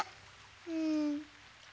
うん。